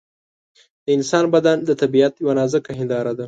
د انسان بدن د طبیعت یوه نازکه هنداره ده.